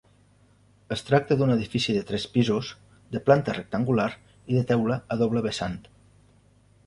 Es tracta d'un edifici de tres pisos, de planta rectangular i teulat a doble vessant.